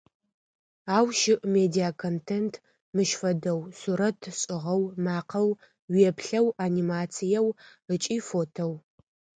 Ау щыӏ медиаконтент мыщ фэдэу: сурэт шӏыгъэу, макъэу, уеплъэу, анимациеу ыкӏи фотэу.